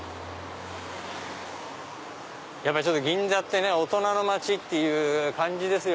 やっぱり銀座って大人の街っていう感じですよ。